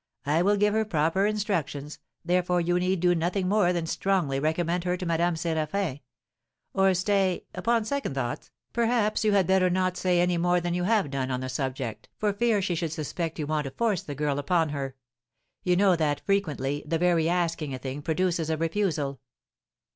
I will give her proper instructions, therefore you need do nothing more than strongly recommend her to Madame Séraphin, or, stay, upon second thoughts, perhaps you had better not say any more than you have done on the subject, for fear she should suspect you want to force the girl upon her. You know that, frequently, the very asking a thing produces a refusal."